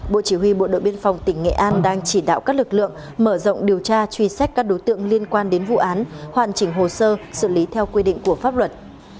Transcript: bộ chỉ huy bộ đội biên phòng tỉnh nghệ an đang chỉ đạo các lực lượng mở rộng điều tra truy xét các đối tượng liên quan đến vụ án hoàn chỉnh hồ sơ xử lý theo quy định của pháp luật